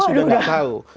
sudah tidak tahu